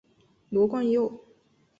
刘冠佑。